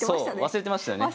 忘れてましたよね。